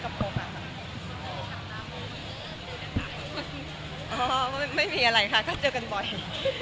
จริงเป็นไงคุณสัตว์ว่าแบบ๓คนมาเจอกันก็จะ